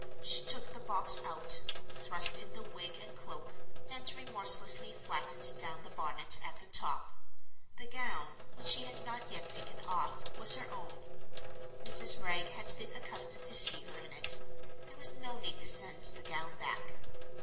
She took the box out, thrust in the wig and cloak, and remorselessly flattened down the bonnet at the top. The gown (which she had not yet taken off) was her own; Mrs. Wragge had been accustomed to see her in it—there was no need to send the gown back.